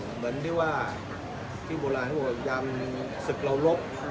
เหมือนที่ว่าที่โบราณเรียกว่ายามสึกเรารบ